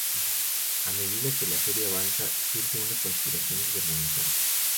A medida que la serie avanza, surge una conspiración gubernamental.